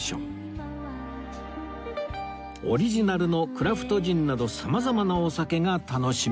オリジナルのクラフトジンなど様々なお酒が楽しめます